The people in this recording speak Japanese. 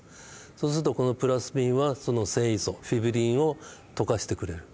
そうするとこのプラスミンはその線維素フィブリンを溶かしてくれる。